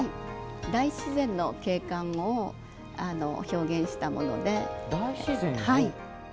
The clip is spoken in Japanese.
大自然の景観を表現したものです。